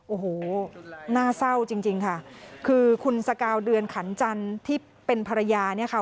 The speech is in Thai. โอ้โหน่าเศร้าจริงจริงค่ะคือคุณสกาวเดือนขันจันทร์ที่เป็นภรรยาเนี่ยค่ะ